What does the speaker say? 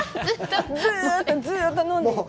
ずっとずっと飲んでいて。